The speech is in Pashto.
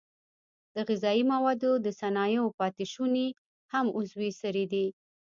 د غذایي موادو د صنایعو پاتې شونې هم عضوي سرې دي.